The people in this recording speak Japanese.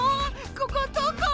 ここどこ？